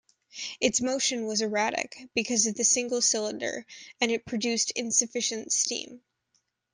Its motion was erratic, because of the single cylinder, and it produced insufficient steam.